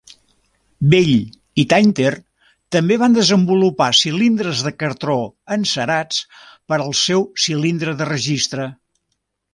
Bell i Tainter també van desenvolupar cilindres de cartó encerats per al seu cilindre de registre.